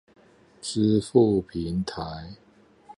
支付平台